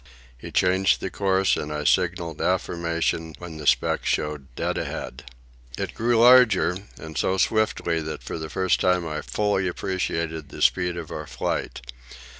He changed the course, and I signalled affirmation when the speck showed dead ahead. It grew larger, and so swiftly that for the first time I fully appreciated the speed of our flight.